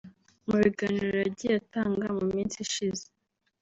Mu biganiro yagiye atanga mu minsi ishize